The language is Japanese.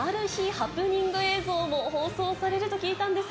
ハプニング映像も放送されると聞いたんです